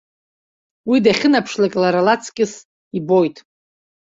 Уи дахьынаԥшлак, лара лаҵкыс ибоит.